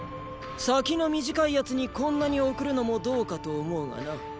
先の短い奴にこんなに贈るのもどうかと思うがな。